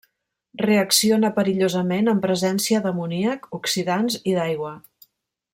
Reacciona perillosament en presència d'amoníac, oxidants i d'aigua.